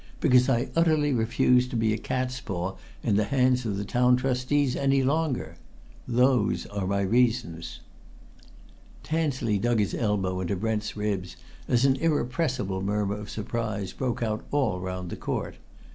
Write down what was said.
Because I utterly refuse to be a cat's paw in the hands of the Town Trustees any longer! Those are my reasons." Tansley dug his elbow into Brent's ribs as an irrepressible murmur of surprise broke out all round the court.